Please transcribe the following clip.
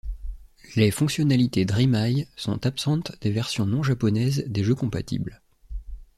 Les fonctionnalités Dreameye sont absentes des versions non-japonaise des jeux compatibles.